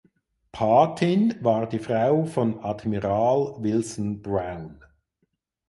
Patin war die Frau von Admiral Wilson Brown.